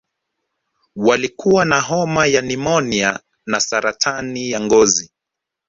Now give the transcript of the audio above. Walikuwa na homa ya pneumonia na saratani ya ngozi